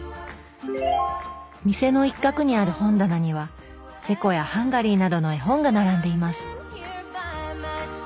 店の一角にある本棚にはチェコやハンガリーなどの絵本が並んでいます